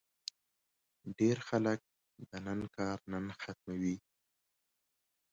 ډېری خلک د نن کار نن ختموي.